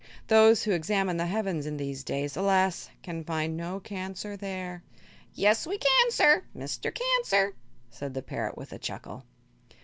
Those who examine the heavens in these days, alas! can find no Cancer there." "Yes, we can, sir, Mister Cancer!" said the parrot, with a chuckle.